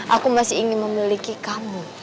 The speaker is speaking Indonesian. aku masih ingin memiliki kamu